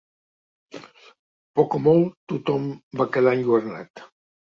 Poc o molt, tothom va quedar enlluernat.